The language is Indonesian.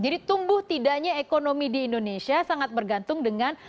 jadi tumbuh tidaknya ekonomi di indonesia sangat bergantung dengan